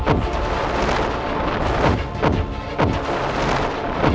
jangan lupa untuk berlangganan